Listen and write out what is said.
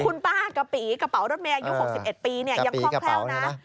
คุณป้ากะปีกระเป๋ารถเมย์อายุ๖๑ปีเนี่ยยังคล่องแคล่วนะ